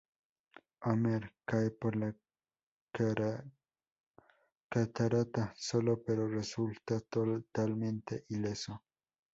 Homer cae por la catarata solo, pero resulta totalmente ileso.